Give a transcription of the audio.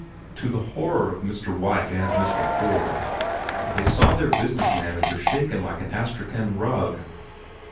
To the horror of Mr. White and Mr. Ford, they saw their business manager shaken like an Astrakhan rug.